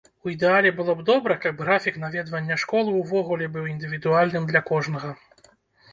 У ідэале было б добра, каб графік наведвання школы ўвогуле быў індывідуальным для кожнага.